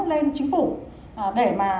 lên chính phủ để mà